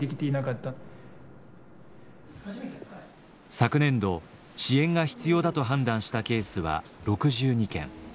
昨年度支援が必要だと判断したケースは６２件。